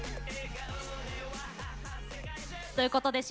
ということでｓ＊